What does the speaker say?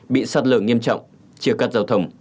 bị sạt lở nghiêm trọng chia cắt giao thông